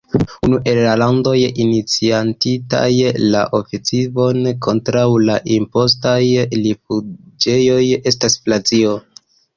Unu el la landoj iniciatintaj la ofensivon kontraŭ la impostaj rifuĝejoj estas Francio.